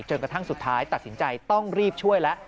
กระทั่งสุดท้ายตัดสินใจต้องรีบช่วยแล้ว